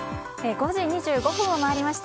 ５時２５分を回りました。